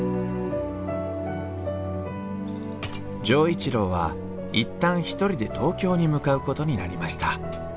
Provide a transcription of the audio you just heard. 錠一郎は一旦一人で東京に向かうことになりました。